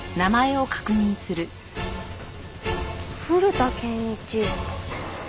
「古田憲一」。